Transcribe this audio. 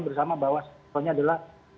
bersama bahwa soalnya adalah